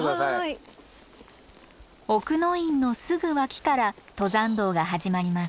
奥の院のすぐ脇から登山道が始まります。